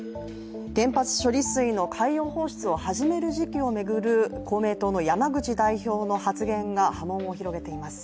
原発処理水の海洋放出を始める時期を巡る公明党の山口代表の発言が波紋を広げています。